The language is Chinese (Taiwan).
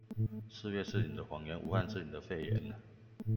四月是你的謊言，武漢是你的肺炎